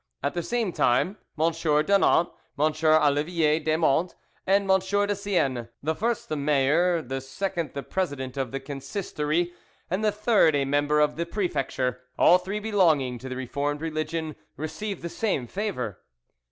At the same time, M. Daunant, M. Olivier Desmonts, and M. de Seine, the first the mayor, the second the president of the Consistory, and the third a member of the Prefecture, all three belonging to the Reformed religion, received the same favour.